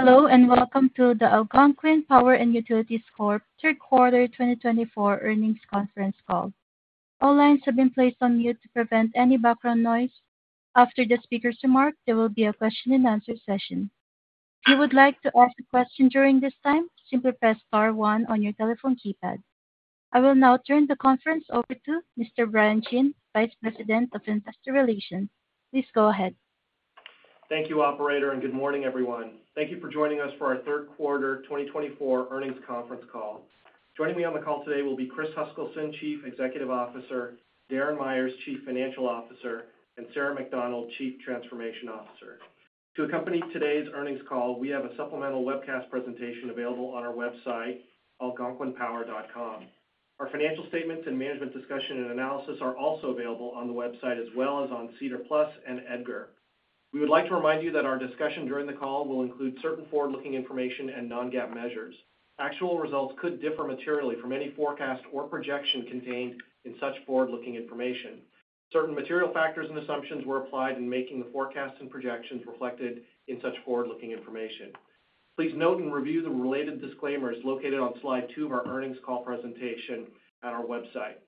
Hello, and welcome to the Algonquin Power & Utilities Corp Third Quarter 2024 Earnings Conference Call. All lines have been placed on mute to prevent any background noise. After the speaker's remark, there will be a question-and-answer session. If you would like to ask a question during this time, simply press star one on your telephone keypad. I will now turn the conference over to Mr. Brian Chin, Vice President of Investor Relations. Please go ahead. Thank you, operator, and good morning, everyone. Thank you for joining us for our Third Quarter 2024 Earnings Conference Call. Joining me on the call today will be Chris Huskilson, Chief Executive Officer, Darren Myers, Chief Financial Officer, and Sarah MacDonald, Chief Transformation Officer. To accompany today's earnings call, we have a supplemental webcast presentation available on our website, algonquinpower.com. Our financial statements and management discussion and analysis are also available on the website, as well as on SEDAR+ and EDGAR. We would like to remind you that our discussion during the call will include certain forward-looking information and non-GAAP measures. Actual results could differ materially from any forecast or projection contained in such forward-looking information. Certain material factors and assumptions were applied in making the forecasts and projections reflected in such forward-looking information. Please note and review the related disclaimers located on slide two of our earnings call presentation at our website.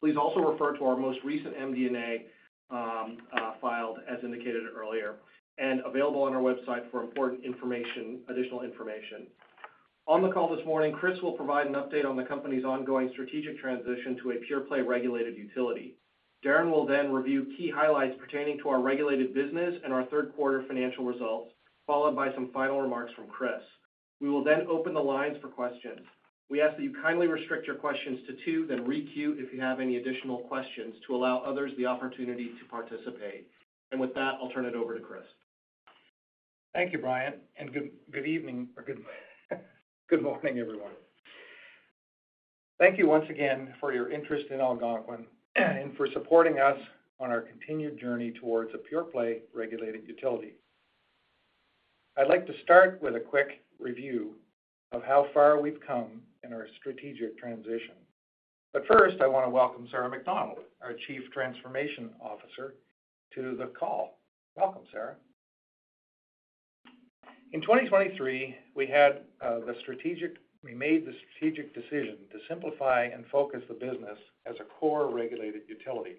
Please also refer to our most recent MD&A filed, as indicated earlier, and available on our website for important information, additional information. On the call this morning, Chris will provide an update on the company's ongoing strategic transition to a pure-play regulated utility. Darren will then review key highlights pertaining to our regulated business and our Q3 financial results, followed by some final remarks from Chris. We will then open the lines for questions. We ask that you kindly restrict your questions to two, then re-queue if you have any additional questions to allow others the opportunity to participate, and with that, I'll turn it over to Chris. Thank you, Brian, and good evening or good morning, everyone. Thank you once again for your interest in Algonquin and for supporting us on our continued journey towards a pure-play regulated utility. I'd like to start with a quick review of how far we've come in our strategic transition. But first, I want to welcome Sarah MacDonald, our Chief Transformation Officer, to the call. Welcome, Sarah. In 2023, we made the strategic decision to simplify and focus the business as a core regulated utility.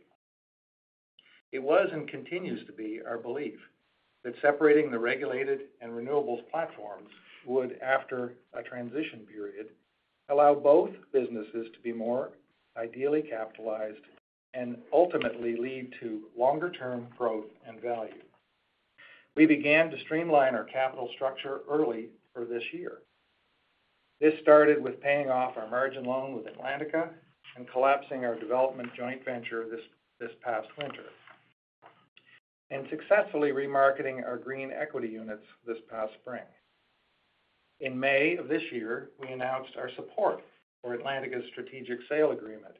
It was and continues to be our belief that separating the regulated and renewables platforms would, after a transition period, allow both businesses to be more ideally capitalized and ultimately lead to longer-term growth and value. We began to streamline our capital structure early this year. This started with paying off our margin loan with Atlantica and collapsing our development joint venture this past winter, and successfully remarketing our green equity units this past spring. In May of this year, we announced our support for Atlantica's strategic sale agreement,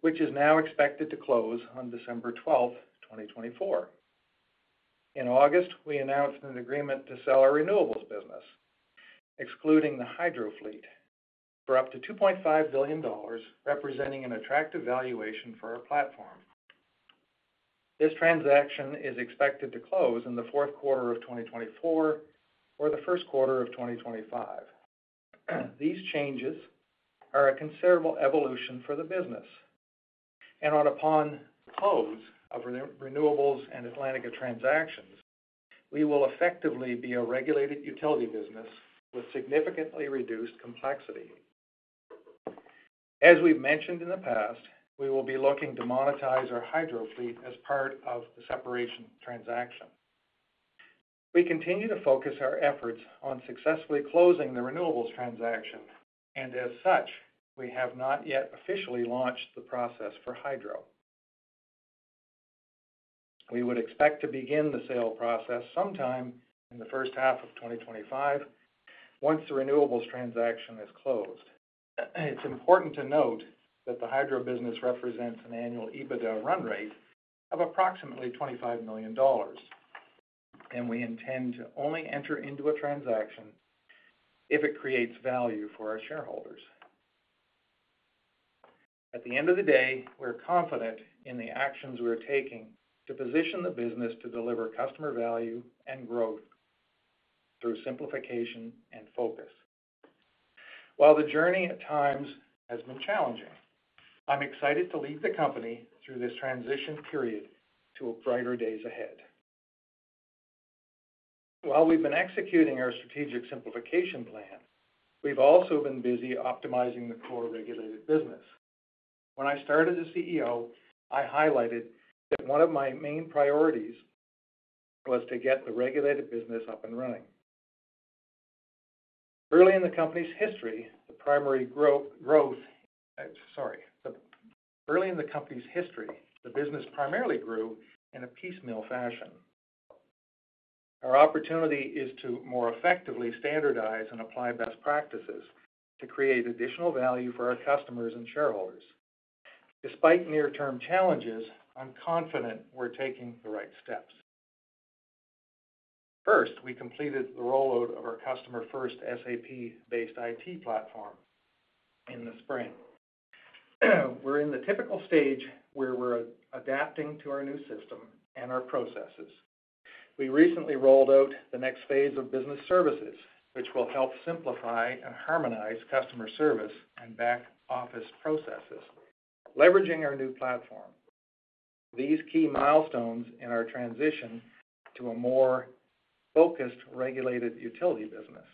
which is now expected to close on December 12th, 2024. In August, we announced an agreement to sell our renewables business, excluding the hydro fleet, for up to $2.5 billion, representing an attractive valuation for our platform. This transaction is expected to close in the fourth quarter of 2024 or the first quarter of 2025. These changes are a considerable evolution for the business, and upon the close of renewables and Atlantica transactions, we will effectively be a regulated utility business with significantly reduced complexity. As we've mentioned in the past, we will be looking to monetize our hydro fleet as part of the separation transaction. We continue to focus our efforts on successfully closing the renewables transaction, and as such, we have not yet officially launched the process for hydro. We would expect to begin the sale process sometime in the first half of 2025, once the renewables transaction is closed. It's important to note that the hydro business represents an annual EBITDA run rate of approximately $25 million, and we intend to only enter into a transaction if it creates value for our shareholders. At the end of the day, we're confident in the actions we're taking to position the business to deliver customer value and growth through simplification and focus. While the journey at times has been challenging, I'm excited to lead the company through this transition period to brighter days ahead. While we've been executing our strategic simplification plan, we've also been busy optimizing the core regulated business. When I started as CEO, I highlighted that one of my main priorities was to get the regulated business up and running. Early in the company's history, the primary growth, sorry, early in the company's history, the business primarily grew in a piecemeal fashion. Our opportunity is to more effectively standardize and apply best practices to create additional value for our customers and shareholders. Despite near-term challenges, I'm confident we're taking the right steps. First, we completed the rollout of our Customer First SAP-based IT platform in the spring. We're in the typical stage where we're adapting to our new system and our processes. We recently rolled out the next phase of business services, which will help simplify and harmonize customer service and back office processes, leveraging our new platform. These key milestones in our transition to a more focused regulated utility business.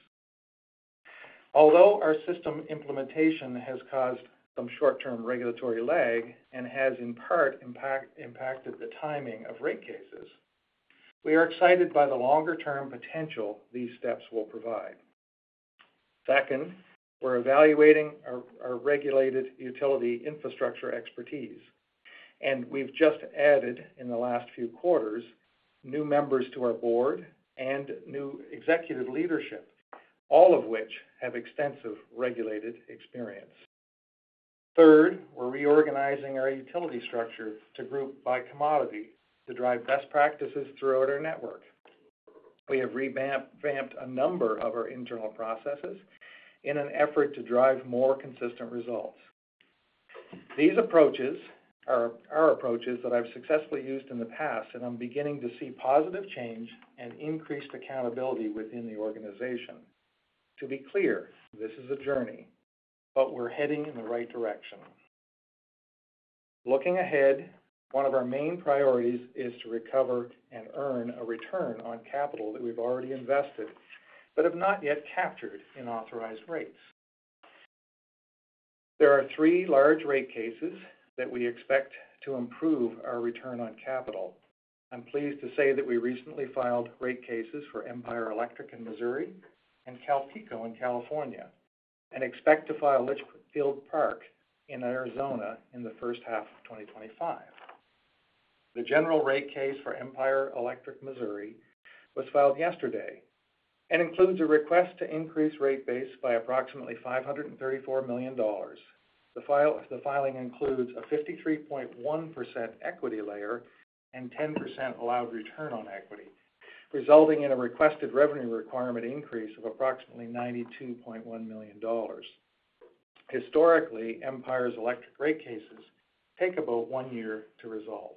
Although our system implementation has caused some short-term regulatory lag and has in part impacted the timing of rate cases, we are excited by the longer-term potential these steps will provide. Second, we're evaluating our regulated utility infrastructure expertise, and we've just added, in the last few quarters, new members to our board and new executive leadership, all of which have extensive regulated experience. Third, we're reorganizing our utility structure to group by commodity to drive best practices throughout our network. We have revamped a number of our internal processes in an effort to drive more consistent results. These approaches are our approaches that I've successfully used in the past, and I'm beginning to see positive change and increased accountability within the organization. To be clear, this is a journey, but we're heading in the right direction. Looking ahead, one of our main priorities is to recover and earn a return on capital that we've already invested but have not yet captured in authorized rates. There are three large rate cases that we expect to improve our return on capital. I'm pleased to say that we recently filed rate cases for Empire Electric in Missouri and CalPeco in California and expect to file Litchfield Park in Arizona in the first half of 2025. The general rate case for Empire Electric in Missouri was filed yesterday and includes a request to increase rate base by approximately $534 million. The filing includes a 53.1% equity layer and 10% allowed return on equity, resulting in a requested revenue requirement increase of approximately $92.1 million. Historically, Empire's electric rate cases take about one year to resolve.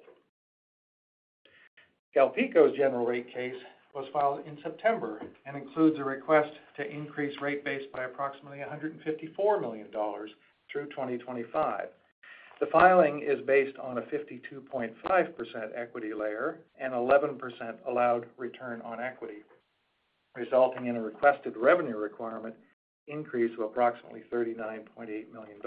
CalPeco's general rate case was filed in September and includes a request to increase rate base by approximately $154 million through 2025. The filing is based on a 52.5% equity layer and 11% allowed return on equity, resulting in a requested revenue requirement increase of approximately $39.8 million.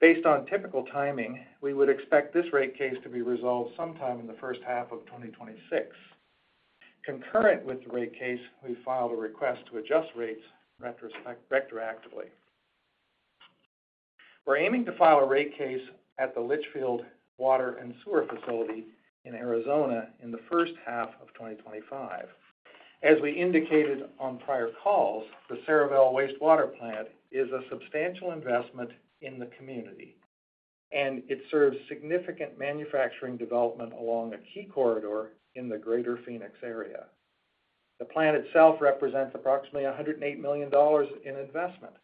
Based on typical timing, we would expect this rate case to be resolved sometime in the first half of 2026. Concurrent with the rate case, we filed a request to adjust rates retroactively. We're aiming to file a rate case at the Litchfield Water and Sewer Facility in Arizona in the first half of 2025. As we indicated on prior calls, the Sarival Wastewater Plant is a substantial investment in the community, and it serves significant manufacturing development along a key corridor in the greater Phoenix area. The plant itself represents approximately $108 million in investment,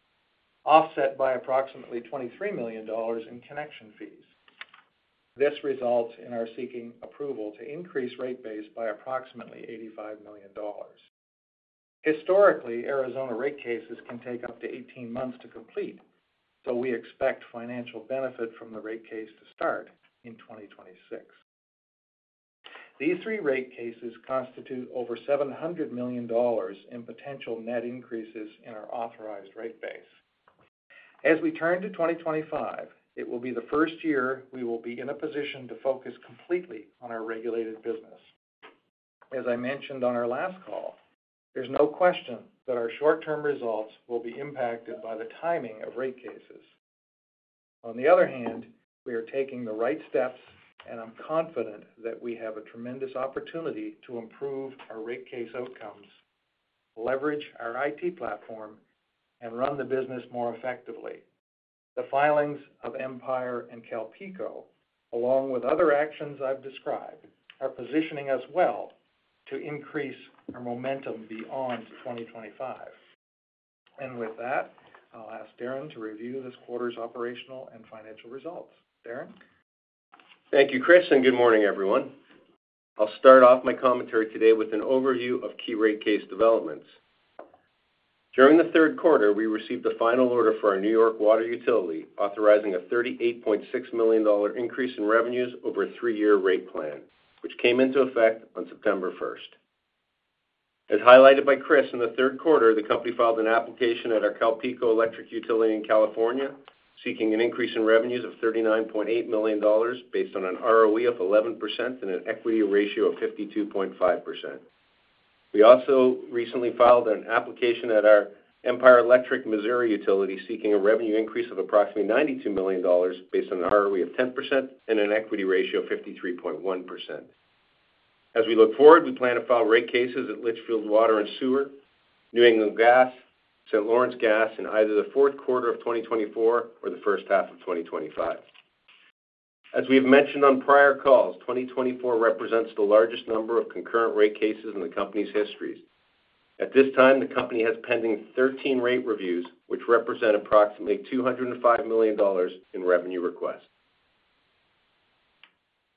offset by approximately $23 million in connection fees. This results in our seeking approval to increase rate base by approximately $85 million. Historically, Arizona rate cases can take up to 18 months to complete, so we expect financial benefit from the rate case to start in 2026. These three rate cases constitute over $700 million in potential net increases in our authorized rate base. As we turn to 2025, it will be the first year we will be in a position to focus completely on our regulated business. As I mentioned on our last call, there's no question that our short-term results will be impacted by the timing of rate cases. On the other hand, we are taking the right steps, and I'm confident that we have a tremendous opportunity to improve our rate case outcomes, leverage our IT platform, and run the business more effectively. The filings of Empire and CalPeco, along with other actions I've described, are positioning us well to increase our momentum beyond 2025. And with that, I'll ask Darren to review this quarter's operational and financial results. Darren? Thank you, Chris, and good morning, everyone. I'll start off my commentary today with an overview of key rate case developments. During the third quarter, we received the final order for our New York water utility authorizing a $38.6 million increase in revenues over a three-year rate plan, which came into effect on September 1. As highlighted by Chris, in the Q3, the company filed an application at our CalPeco Electric Utility in California seeking an increase in revenues of $39.8 million based on an ROE of 11% and an equity ratio of 52.5%. We also recently filed an application at our Empire Electric Missouri utility seeking a revenue increase of approximately $92 million based on an ROE of 10% and an equity ratio of 53.1%. As we look forward, we plan to file rate cases at Litchfield Water and Sewer, New England Gas. St. Lawrence Gas in either the fourth of 2024 or the first half of 2025. As we've mentioned on prior calls, 2024 represents the largest number of concurrent rate cases in the company's history. At this time, the company has pending 13 rate reviews, which represent approximately $205 million in revenue requests.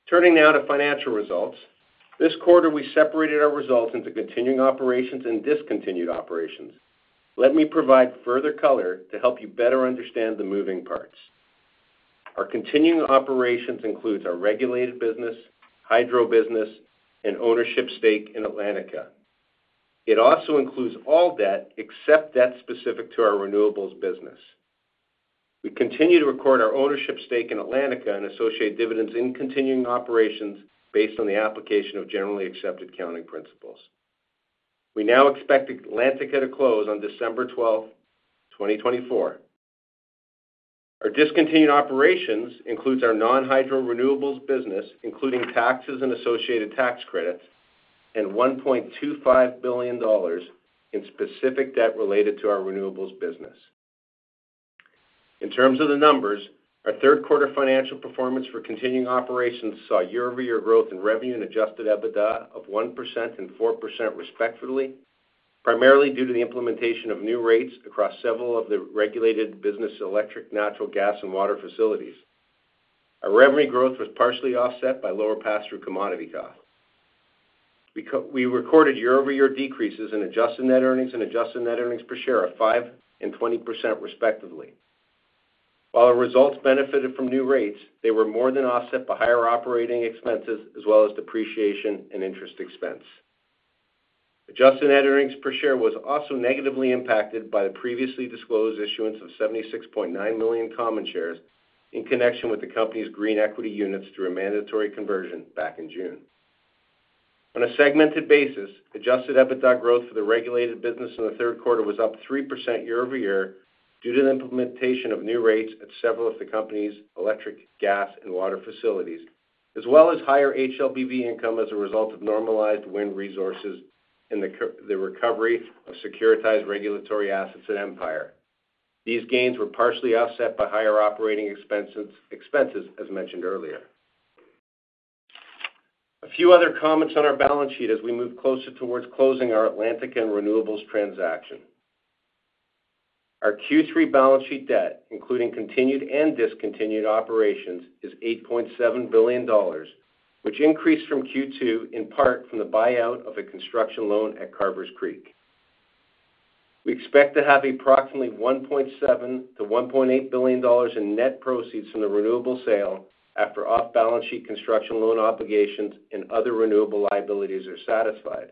Turning now to financial results, this quarter we separated our results into continuing operations and discontinued operations. Let me provide further color to help you better understand the moving parts. Our continuing operations include our regulated business, hydro business, and ownership stake in Atlantica. It also includes all debt except debt specific to our renewables business. We continue to record our ownership stake in Atlantica and associate dividends in continuing operations based on the application of generally accepted accounting principles. We now expect Atlantica to close on December 12th, 2024. Our discontinued operations include our non-hydro renewables business, including taxes and associated tax credits, and $1.25 billion in specific debt related to our renewables business. In terms of the numbers, our third financial performance for continuing operations saw year-over-year growth in revenue and adjusted EBITDA of 1% and 4% respectively, primarily due to the implementation of new rates across several of the regulated business' electric, natural, gas, and water facilities. Our revenue growth was partially offset by lower pass-through commodity costs. We recorded year-over-year decreases in adjusted net earnings and adjusted net earnings per share of 5% and 20% respectively. While our results benefited from new rates, they were more than offset by higher operating expenses as well as depreciation and interest expense. Adjusted net earnings per share was also negatively impacted by the previously disclosed issuance of 76.9 million common shares in connection with the company's Green Equity Units through a mandatory conversion back in June. On a segmented basis, adjusted EBITDA growth for the regulated business in the third quarter was up 3% year-over-year due to the implementation of new rates at several of the company's electric, gas, and water facilities, as well as higher HLBV income as a result of normalized wind resources and the recovery of securitized regulatory assets at Empire. These gains were partially offset by higher operating expenses, as mentioned earlier. A few other comments on our balance sheet as we move closer toward closing our Atlantica and renewables transaction. Our Q3 balance sheet debt, including continuing and discontinued operations, is $8.7 billion, which increased from Q2 in part from the buyout of a construction loan at Carvers Creek. We expect to have approximately $1.7 billion-$1.8 billion in net proceeds from the renewable sale after off-balance sheet construction loan obligations and other renewable liabilities are satisfied.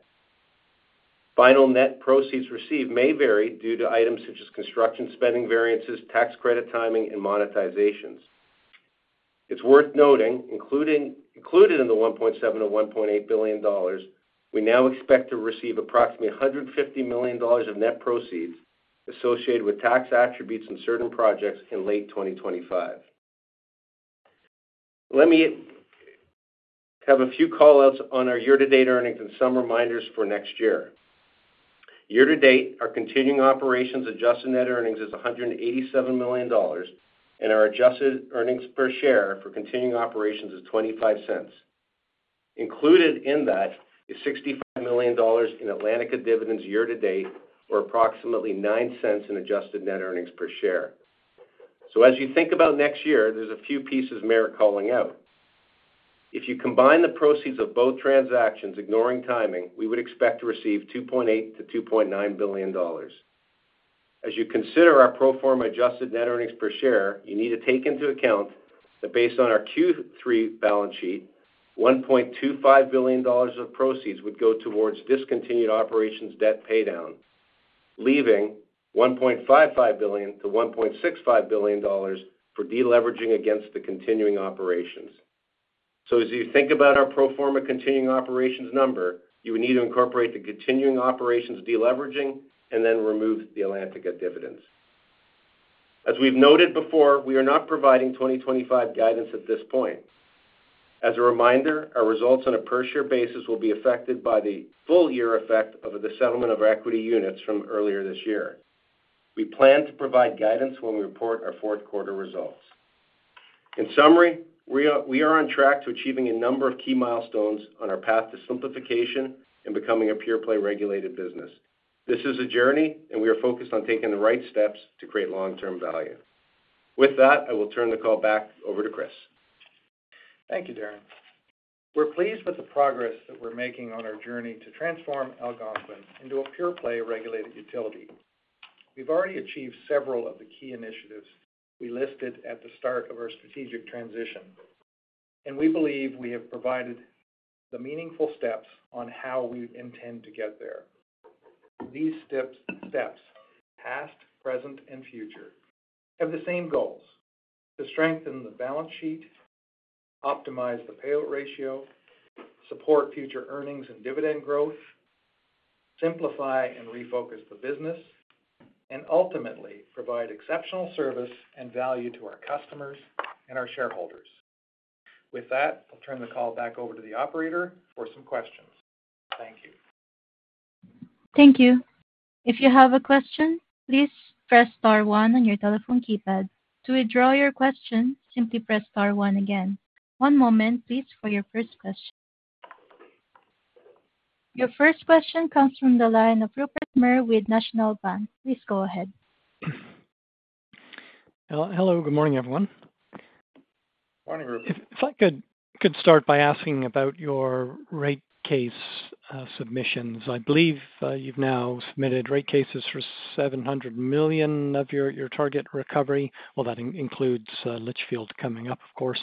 Final net proceeds received may vary due to items such as construction spending variances, tax credit timing, and monetizations. It's worth noting, included in the $1.7 billion-$1.8 billion, we now expect to receive approximately $150 million of net proceeds associated with tax attributes in certain projects in late 2025. Let me have a few callouts on our year-to-date earnings and some reminders for next year. Year-to-date, our continuing operations adjusted net earnings is $187 million, and our adjusted earnings per share for continuing operations is $0.25. Included in that is $65 million in Atlantica dividends year-to-date, or approximately $0.09 in adjusted net earnings per share. So as you think about next year, there's a few pieces merit calling out. If you combine the proceeds of both transactions, ignoring timing, we would expect to receive $2.8 billion-$2.9 billion. As you consider our pro forma adjusted net earnings per share, you need to take into account that based on our Q3 balance sheet, $1.25 billion of proceeds would go towards discontinued operations debt paydown, leaving $1.55 billion-$1.65 billion for deleveraging against the continuing operations. So as you think about our pro forma continuing operations number, you would need to incorporate the continuing operations deleveraging and then remove the Atlantica dividends. As we've noted before, we are not providing 2025 guidance at this point. As a reminder, our results on a per-share basis will be affected by the full-year effect of the settlement of equity units from earlier this year. We plan to provide guidance when we report our fourth quarter results. In summary, we are on track to achieving a number of key milestones on our path to simplification and becoming a pure-play regulated business. This is a journey, and we are focused on taking the right steps to create long-term value. With that, I will turn the call back over to Chris. Thank you, Darren. We're pleased with the progress that we're making on our journey to transform Algonquin into a pure-play regulated utility. We've already achieved several of the key initiatives we listed at the start of our strategic transition, and we believe we have provided the meaningful steps on how we intend to get there. These steps, past, present, and future, have the same goals: to strengthen the balance sheet, optimize the payout ratio, support future earnings and dividend growth, simplify and refocus the business, and ultimately provide exceptional service and value to our customers and our shareholders. With that, I'll turn the call back over to the operator for some questions. Thank you. Thank you. If you have a question, please press star one on your telephone keypad. To withdraw your question, simply press star one again. One moment, please, for your first question. Your first question comes from the line of Rupert Merer with National Bank. Please go ahead. Hello. Good morning, everyone. Morning, Rupert. If I could start by asking about your rate case submissions. I believe you've now submitted rate cases for $700 million of your target recovery. That includes Litchfield coming up, of course.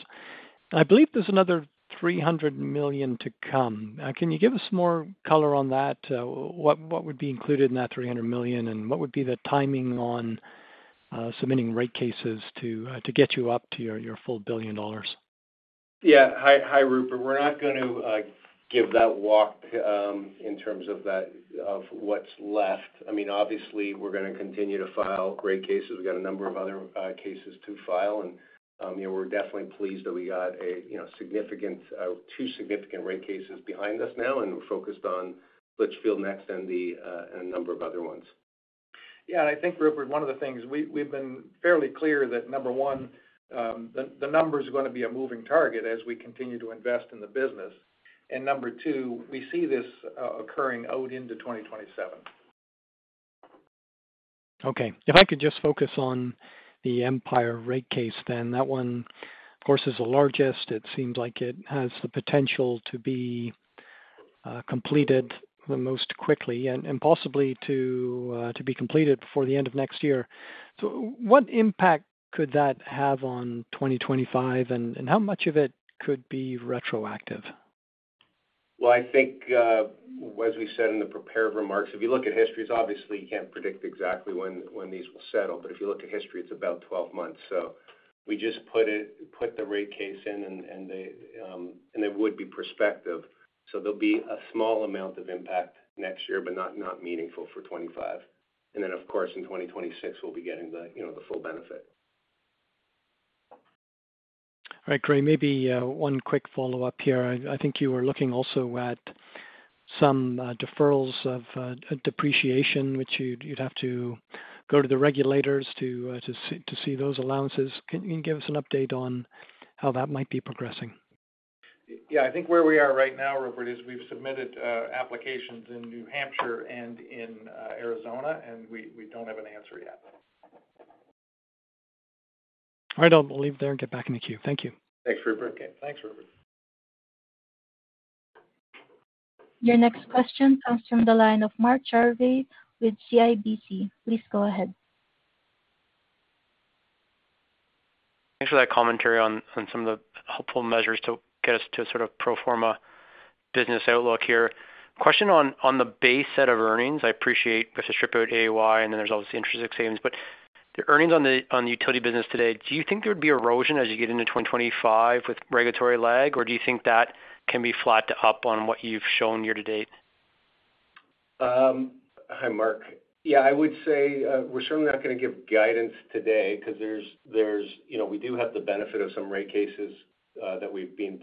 I believe there's another $300 million to come. Can you give us more color on that? What would be included in that $300 million, and what would be the timing on submitting rate cases to get you up to your full $1 billion? Yeah. Hi, Rupert. We're not going to give that walk in terms of what's left. I mean, obviously, we're going to continue to file rate cases. We've got a number of other cases to file, and we're definitely pleased that we got two significant rate cases behind us now, and we're focused on Litchfield next and a number of other ones. Yeah. And I think, Rupert, one of the things we've been fairly clear that, number one, the numbers are going to be a moving target as we continue to invest in the business. And number two, we see this occurring out into 2027. Okay. If I could just focus on the Empire rate case then. That one, of course, is the largest. It seems like it has the potential to be completed the most quickly and possibly to be completed before the end of next year. So what impact could that have on 2025, and how much of it could be retroactive? I think, as we said in the prepared remarks, if you look at history, obviously, you can't predict exactly when these will settle. If you look at history, it's about 12 months. We just put the rate case in, and it would be prospective. There'll be a small amount of impact next year, but not meaningful for 2025. Then, of course, in 2026, we'll be getting the full benefit. All right, great. Maybe one quick follow-up here. I think you were looking also at some deferrals of depreciation, which you'd have to go to the regulators to see those allowances. Can you give us an update on how that might be progressing? Yeah. I think where we are right now, Rupert, is we've submitted applications in New Hampshire and in Arizona, and we don't have an answer yet. All right. I'll leave there and get back in the queue. Thank you. Thanks, Rupert. Thanks, Rupert. Your next question comes from the line of Mark Jarvi with CIBC. Please go ahead. Thanks for that commentary on some of the helpful measures to get us to a sort of pro forma business outlook here. Question on the base set of earnings. I appreciate the pro forma, and then there's obviously interest savings. But the earnings on the utility business today, do you think there would be erosion as you get into 2025 with regulatory lag, or do you think that can be flattened up on what you've shown year-to-date? Hi, Mark. Yeah, I would say we're certainly not going to give guidance today because we do have the benefit of some rate cases that we've been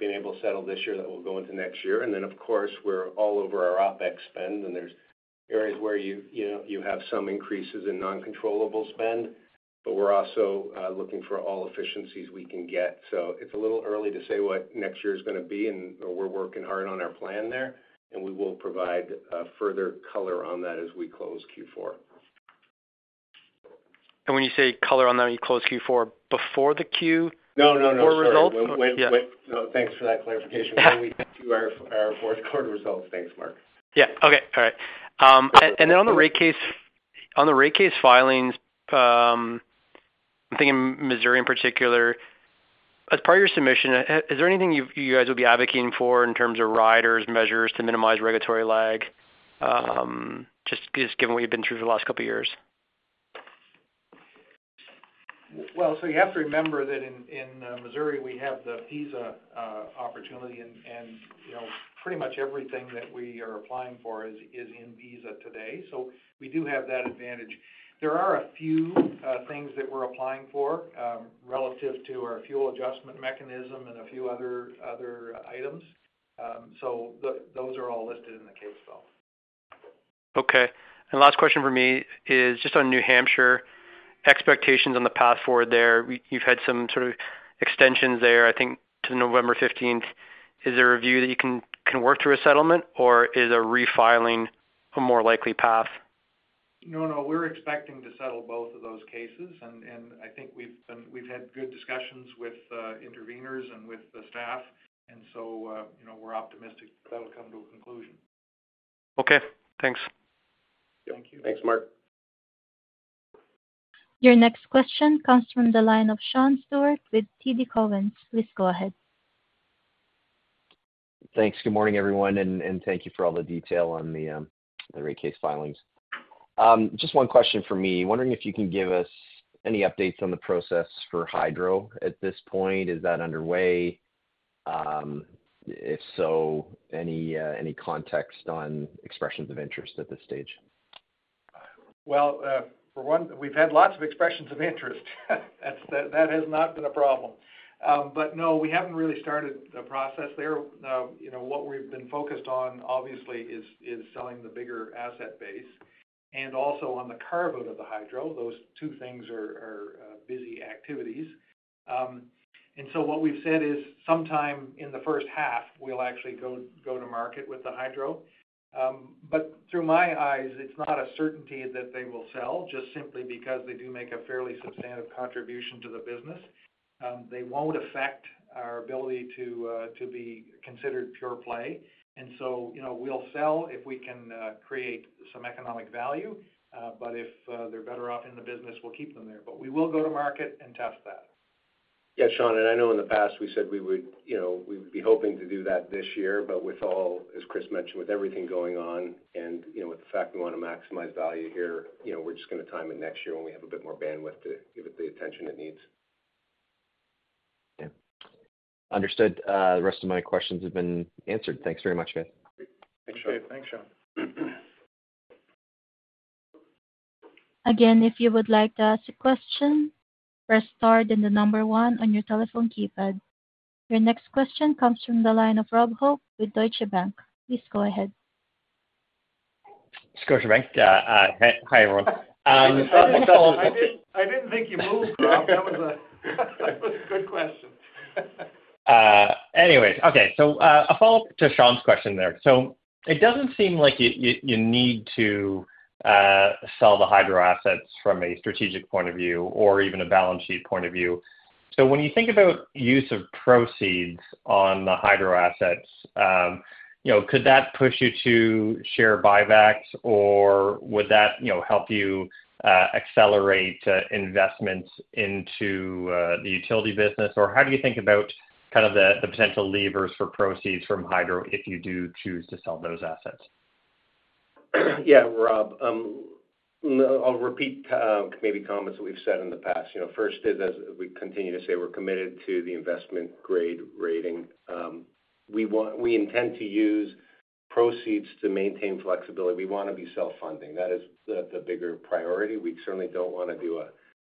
able to settle this year that will go into next year, and then, of course, we're all over our OpEx spend, and there's areas where you have some increases in non-controllable spend, but we're also looking for all efficiencies we can get, so it's a little early to say what next year is going to be, and we're working hard on our plan there, and we will provide further color on that as we close Q4. When you say color on that when you close Q4, before the Q4 results? No, no, no. Thanks for that clarification. When we get to our fourth quarter results, thanks, Mark. And then on the rate case filings, I'm thinking Missouri in particular, as part of your submission, is there anything you guys would be advocating for in terms of riders, measures to minimize regulatory lag, just given what you've been through for the last couple of years? So you have to remember that in Missouri we have the PISA opportunity, and pretty much everything that we are applying for is in PISA today. So we do have that advantage. There are a few things that we're applying for relative to our fuel adjustment mechanism and a few other items. So those are all listed in the case, though. Okay. And last question for me is just on New Hampshire expectations on the path forward there. You've had some sort of extensions there, I think, to November 15th. Is there a view that you can work through a settlement, or is a refiling a more likely path? No, no. We're expecting to settle both of those cases, and I think we've had good discussions with interveners and with the staff, and so we're optimistic that that'll come to a conclusion. Okay. Thanks. Thank you. Thanks, Mark. Your next question comes from the line of Sean Steuart with TD Cowen. Please go ahead. Thanks. Good morning, everyone, and thank you for all the detail on the rate case filings. Just one question for me. Wondering if you can give us any updates on the process for Hydro at this point. Is that underway? If so, any context on expressions of interest at this stage? Well, for one, we've had lots of expressions of interest. That has not been a problem. But no, we haven't really started the process there. What we've been focused on, obviously, is selling the bigger asset base and also on the carve-out of the Hydro. Those two things are busy activities. And so what we've said is sometime in the first half, we'll actually go to market with the Hydro. But through my eyes, it's not a certainty that they will sell just simply because they do make a fairly substantive contribution to the business. They won't affect our ability to be considered pure play. And so we'll sell if we can create some economic value, but if they're better off in the business, we'll keep them there. But we will go to market and test that. Yeah, Sean, and I know in the past we said we would be hoping to do that this year, but with all, as Chris mentioned, with everything going on and with the fact we want to maximize value here, we're just going to time it next year when we have a bit more bandwidth to give it the attention it needs. Yeah. Understood. The rest of my questions have been answered. Thanks very much, guys. Thanks, Sean. Again, if you would like to ask a question, press star then the number one on your telephone keypad. Your next question comes from the line of Rob Hope with Deutsche Bank. Please go ahead. It's Scotiabank. Hi, everyone. I didn't think you moved, Rob. That was a good question. Anyways, okay. So a follow-up to Sean's question there. So it doesn't seem like you need to sell the Hydro assets from a strategic point of view or even a balance sheet point of view. So when you think about use of proceeds on the Hydro assets, could that push you to share buybacks, or would that help you accelerate investments into the utility business? Or how do you think about kind of the potential levers for proceeds from Hydro if you do choose to sell those assets? Yeah, Rob. I'll repeat maybe comments that we've said in the past. First is, as we continue to say, we're committed to the investment grade rating. We intend to use proceeds to maintain flexibility. We want to be self-funding. That is the bigger priority. We certainly don't want to do a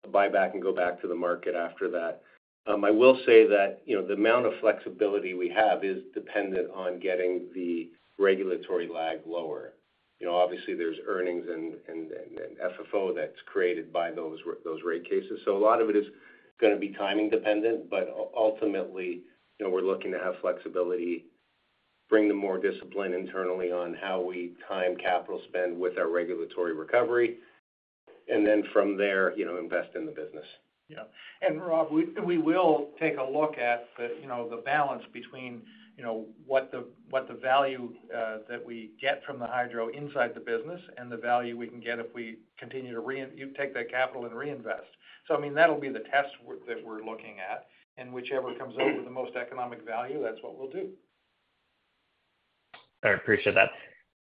buyback and go back to the market after that. I will say that the amount of flexibility we have is dependent on getting the regulatory lag lower. Obviously, there's earnings and FFO that's created by those rate cases. So a lot of it is going to be timing dependent, but ultimately, we're looking to have flexibility, bring the more discipline internally on how we time capital spend with our regulatory recovery, and then from there, invest in the business. Yeah. And, Rob, we will take a look at the balance between what the value that we get from the Hydro inside the business and the value we can get if we continue to take that capital and reinvest. So, I mean, that'll be the test that we're looking at. And whichever comes out with the most economic value, that's what we'll do. All right. Appreciate that.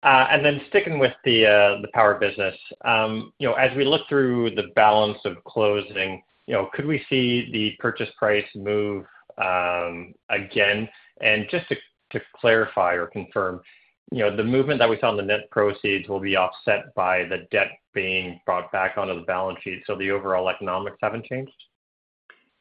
And then sticking with the power business, as we look through the balance of closing, could we see the purchase price move again? And just to clarify or confirm, the movement that we saw in the net proceeds will be offset by the debt being brought back onto the balance sheet. So the overall economics haven't changed?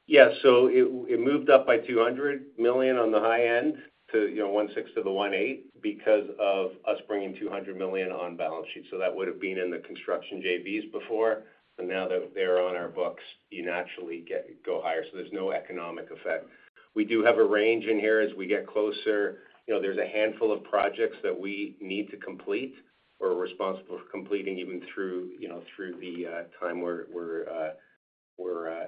Yeah. So it moved up by $200 million on the high end to $1.6 billion-$1.8 billion because of us bringing $200 million on balance sheet. So that would have been in the construction JVs before, and now that they're on our books, you naturally go higher. So there's no economic effect. We do have a range in here as we get closer. There's a handful of projects that we need to complete or are responsible for completing even through the time where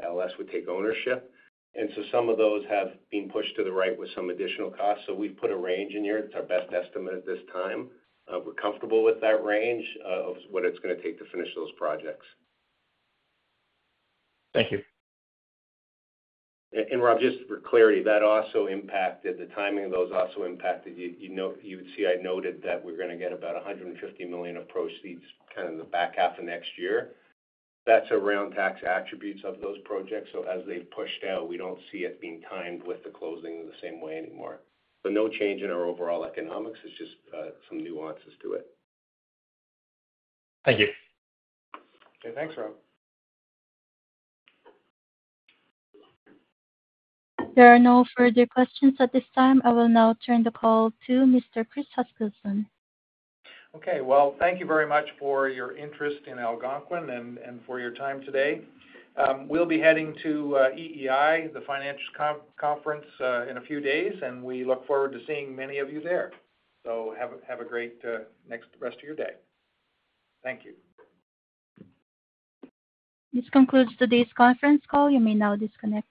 LS would take ownership. And so some of those have been pushed to the right with some additional costs. So we've put a range in here. It's our best estimate at this time. We're comfortable with that range of what it's going to take to finish those projects. Thank you. Rob, just for clarity, that also impacted the timing of those. You would see I noted that we're going to get about $150 million of proceeds kind of the back half of next year. That's around tax attributes of those projects. So as they've pushed out, we don't see it being timed with the closing in the same way anymore. So no change in our overall economics. It's just some nuances to it. Thank you. Okay. Thanks, Rob. There are no further questions at this time. I will now turn the call to Mr. Chris Huskilson. Okay. Well, thank you very much for your interest in Algonquin and for your time today. We'll be heading to EEI, the Financial Conference, in a few days, and we look forward to seeing many of you there. So have a great rest of your day. Thank you. This concludes today's conference call. You may now disconnect.